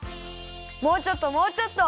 もうちょっともうちょっと！